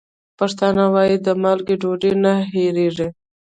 پښتانه وايي: د مالګې ډوډۍ نه هېرېږي.